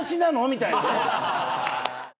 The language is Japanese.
みたいなね。